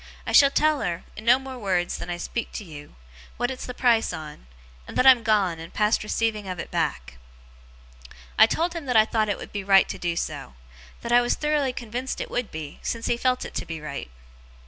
I shall tell her, in no more wureds than I speak to you, what it's the price on; and that I'm gone, and past receiving of it back.' I told him that I thought it would be right to do so that I was thoroughly convinced it would be, since he felt it to be right.